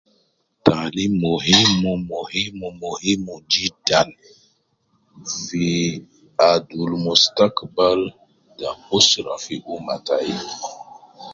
Taalim muhimu muhimu muhimu jiddan ,fi ,adul mustakbal ta usra fi umma tai